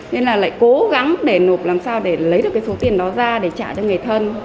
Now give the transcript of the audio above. nên là lại cố gắng để nộp làm sao để lấy được cái số tiền đó ra để trả cho người thân